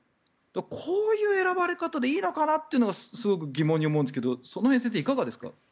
こういう選ばれ方でいいのかなというのがすごく疑問に思うんですがその辺、どうですか？